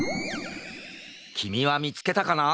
きみはみつけたかな！？